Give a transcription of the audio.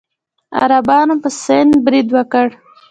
عربانو په سند برید وکړ.